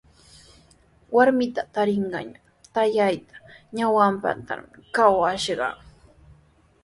Warmita tarinqaayaq taytaapa ñawpantrawmi kawashaq.